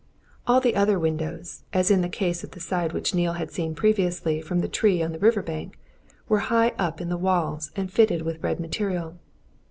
All the other windows, as in the case of the side which Neale had seen previously from the tree on the river bank, were high up in the walls and fitted with red material.